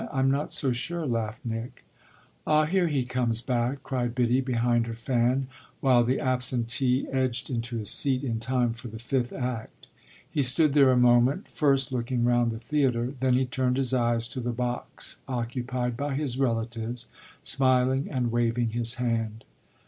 I'm not so sure!" laughed Nick. "Ah here he comes back!" cried Biddy, behind her fan, while the absentee edged into his seat in time for the fifth act. He stood there a moment, first looking round the theatre; then he turned his eyes to the box occupied by his relatives, smiling and waving his hand.